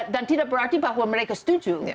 dan tidak berarti bahwa mereka setuju